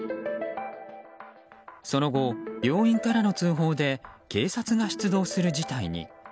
その後、病院からの通報で警察が出動する事態に。